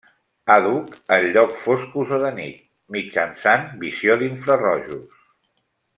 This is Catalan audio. Àdhuc en llocs foscos o de nit, mitjançant visió d'infrarojos.